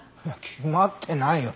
決まってないよ。